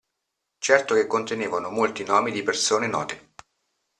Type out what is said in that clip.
Certo che contenevano molti nomi di persone note!